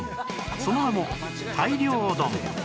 その名も大漁丼